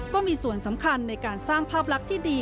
ก็มีส่วนสำคัญในการสร้างภาพลักษณ์ที่ดี